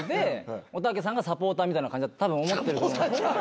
おたけさんがサポーターみたいなたぶん思ってると。